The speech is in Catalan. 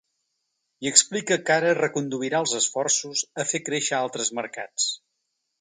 I explica que ara reconduirà els esforços a fer créixer altres mercats.